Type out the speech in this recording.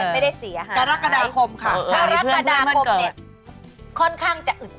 เริ่มรักการาคมค่ะเพราะว่ารักการาคมเนี่ยค่อนข้างจะอึดอัด